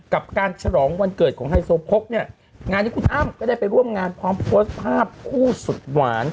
กับการฉลองวันเกิดของไฮโซโพกเนี่ยงานนี้คุณอ้ำก็ได้ไปร่วมงานพร้อมโพสต์ภาพคู่สุดหวาน